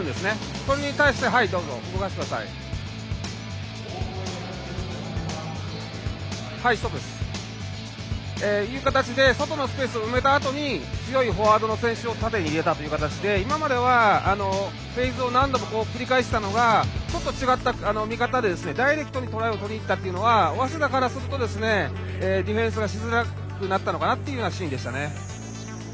それに対して外のスペースを埋めたあとに強いフォワードの選手を縦に入れたという形で今まではフェーズを何度も繰り返していたのがちょっと違った見方でダイレクトにトライをとりにいったのは早稲田からするとディフェンスがしづらくなったかなというシーンでしたね。